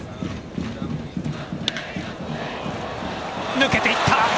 抜けていった！